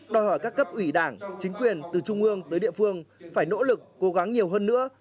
đòi hỏi các cấp ủy đảng chính quyền từ trung ương tới địa phương phải nỗ lực cố gắng nhiều hơn nữa